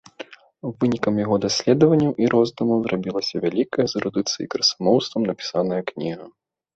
Вынікам яго даследаванняў і роздумаў зрабілася вялікая, з эрудыцыяй і красамоўствам напісаная кніга.